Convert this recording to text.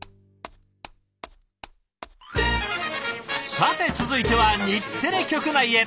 さて続いては日テレ局内へ。